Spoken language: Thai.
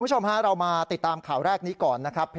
คุณผู้ชมฮะเรามาติดตามข่าวแรกนี้ก่อนนะครับ